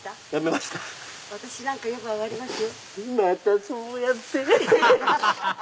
またそうやってハハハ！